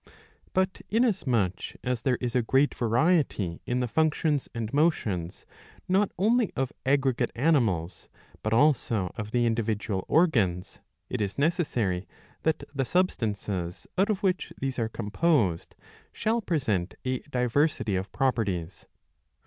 But inasmuch as there is a great variety in the functions and motions not only of aggregate animals but also of the individual organs, it is necessary that the sub stances out of which these are composed shall present a diversity of properties.